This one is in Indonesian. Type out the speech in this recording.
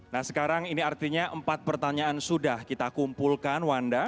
nah sekarang ini artinya empat pertanyaan sudah kita kumpulkan wanda